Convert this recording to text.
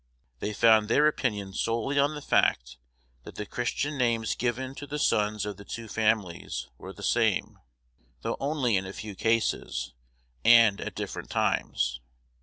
They found their opinion solely on the fact that the Christian names given to the sons of the two families were the same, though only in a few cases, and at different times.